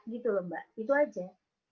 begitulah mbak itu saja